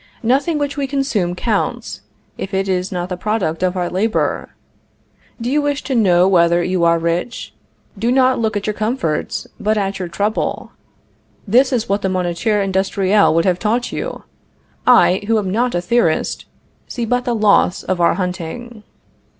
Nothing which we consume counts, if it is not the product of our labor. Do you wish to know whether you are rich? Do not look at your comforts, but at your trouble." This is what the Moniteur Industriel would have taught you. I, who am not a theorist, see but the loss of our hunting.